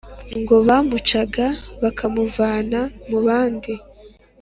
ngo bamucaga, bakamuvana mu bandi.